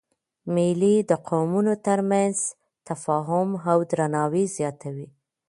مېلې د قومونو تر منځ تفاهم او درناوی زیاتوي.